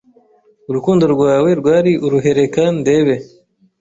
Urukundo rwawe rwari uruheReka ndebe